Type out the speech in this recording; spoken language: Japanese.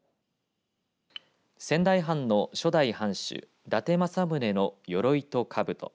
仙台藩の初代藩主伊達政宗のよろいとかぶと。